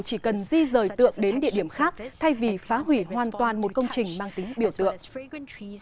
chỉ cần di rời tượng đến địa điểm khác thay vì phá hủy hoàn toàn một công trình mang tính biểu tượng